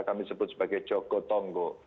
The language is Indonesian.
kami sebut sebagai cokotongo